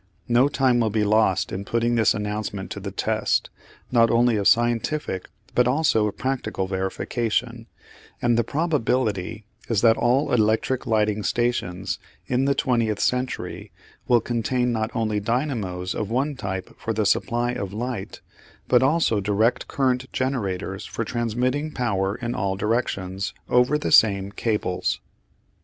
No time will be lost in putting this announcement to the test, not only of scientific but also of practical verification, and the probability is that all electric lighting stations in the twentieth century will contain not only dynamos of one type for the supply of light, but also direct current generators for transmitting power in all directions over the same cables.